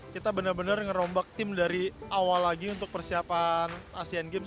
kita benar benar ngerombak tim dari awal lagi untuk persiapan asean games